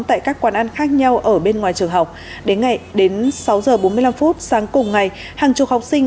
tại các quán ăn khác nhau ở bên ngoài trường học đến sáu h bốn mươi năm phút sáng cùng ngày hàng chục học sinh